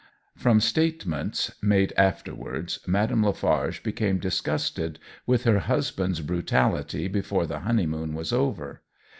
From statements made afterwards, Madame Lafarge became disgusted with her husband's brutality before the honeymoon was over.